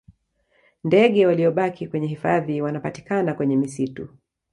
Tdege waliyobaki kwenye hifadhi wanapatikana kwenye misitu